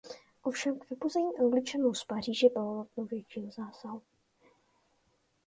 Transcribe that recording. Ovšem k vypuzení Angličanů z Paříže bylo nutno většího zásahu.